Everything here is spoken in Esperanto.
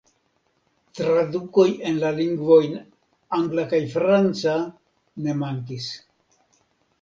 Tradukoj en la lingvojn angla kaj franca ne mankis.